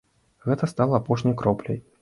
Гэта стала апошняй кропляй.